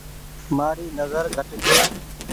مآري نزر گھٽ ڇي۔